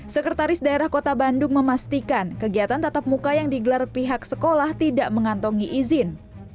sekretaris daerah kota bandung memastikan kegiatan tatap muka yang digelar pihak sekolah tidak mengantongi izin